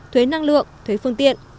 thuế năng lượng thuế phương tiện